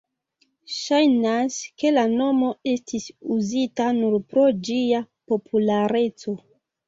Ŝajnas, ke la nomo estis uzita nur pro ĝia populareco.